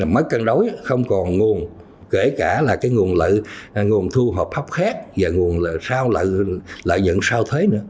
mất cân đối không còn nguồn kể cả là nguồn thu hợp hấp khét và nguồn lợi nhận sau thế nữa